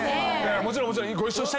もちろんもちろん。